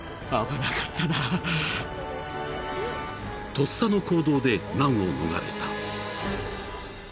［とっさの行動で難を逃れた］